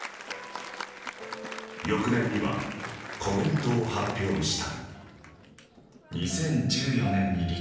翌年にはコメントを発表した。